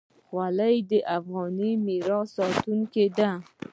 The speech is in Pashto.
خولۍ د افغاني میراث ساتونکې ده.